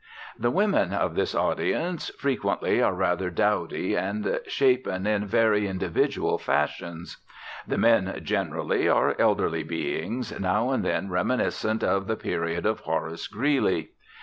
The women of this audience frequently are rather dowdy, and shapen in very individual fashions. The men generally are elderly beings, now and then reminiscent of the period of Horace Greeley.